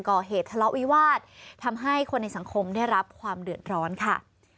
ก่อเหตุทะเลาะวิวาสทำให้คนในสังคมได้รับความเดือดร้อนค่ะ